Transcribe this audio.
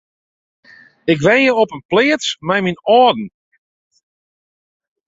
Ik wenje op in pleats mei myn âlden.